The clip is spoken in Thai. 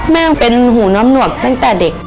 แม่งเป็นหูน้ำหนวกตั้งแต่เด็ก